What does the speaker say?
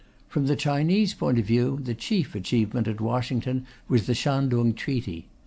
From the Chinese point of view, the chief achievement at Washington was the Shantung Treaty.